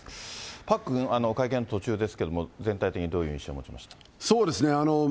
パックン、会見の途中ですけれども、全体的にどういう印象を持ちましたか？